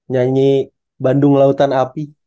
nyanyi bandung lautan api